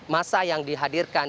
masa yang dihadirkan